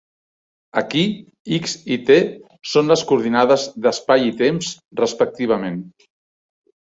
Aquí "x" i "t" són les coordinades d'espai i temps, respectivament.